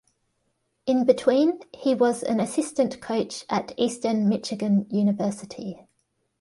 In between, he was an assistant coach at Eastern Michigan University.